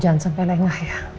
jangan sampai lengah ya